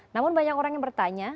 namun banyak orang yang bertanya